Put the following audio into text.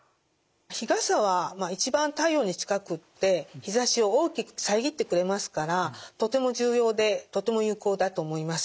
日傘は一番太陽に近くって日ざしを大きく遮ってくれますからとても重要でとても有効だと思います。